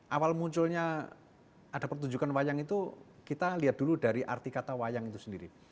awal munculnya ada pertunjukan wayang itu kita lihat dulu dari arti kata wayang itu sendiri